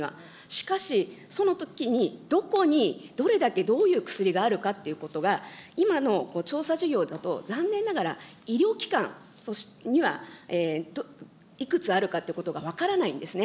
しかし、そのときにどこにどれだけどういう薬があるかということが、今の調査事業だと、残念ながら医療機関にはいくつあるかということが分からないんですね。